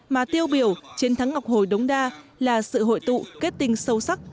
mà tiêu biểu chiến thắng ngọc hồi đống đa là sự hội tụ kết tinh sâu sắc